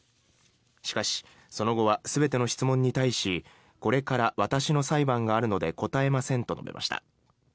しかし、その後は全ての質問に対しこれから私の裁判があるので答えませんと述べました。